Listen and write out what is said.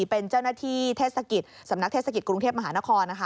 เป็นเจ้าหน้าที่เทศกิจสำนักเทศกิจกรุงเทพมหานครนะคะ